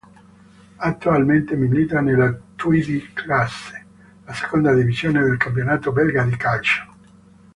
Attualmente milita nella Tweede klasse, la seconda divisione del campionato belga di calcio.